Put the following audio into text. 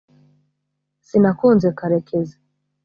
sinakunze karekezi